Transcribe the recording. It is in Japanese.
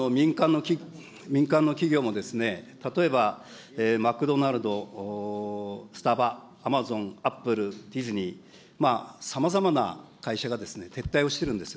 民間の企業も、例えばマクドナルド、スタバ、アマゾン、アップル、ディズニー、さまざまな会社が撤退をしてるんです。